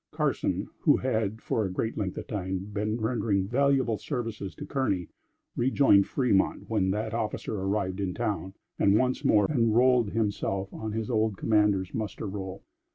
Carson, who had, for a great length of time, been rendering valuable services to Kearney, rejoined Fremont, when that officer arrived in town, and once more enrolled himself on his old commander's muster roll.